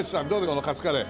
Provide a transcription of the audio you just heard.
このカツカレー。